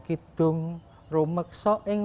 itulah shancha semangat